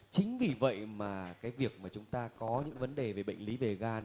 chính vì vậy mà cái việc mà chúng ta có những vấn đề về bệnh lý về gan